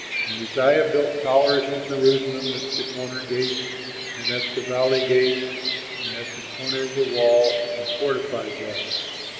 And Uzziah built towers in Jerusalem at the Corner Gate and at the Valley Gate and at the corner of the wall, and fortified them.